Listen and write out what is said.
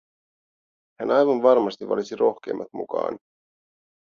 Hän aivan varmasti valitsi rohkeimmat mukaan.